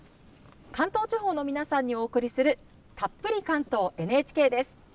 関東地方の皆さんにお送りする「たっぷり関東ＮＨＫ」です。